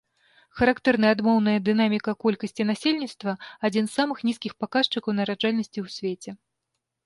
Характэрная адмоўная дынаміка колькасці насельніцтва, адзін з самых нізкіх паказчыкаў нараджальнасці ў свеце.